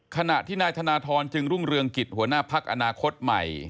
ขณะที่นายธนทรจึงรุ่งเรืองกิจหัวหน้าพักอนาคตใหม่